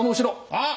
あっ！